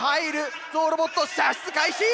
ゾウロボット射出開始！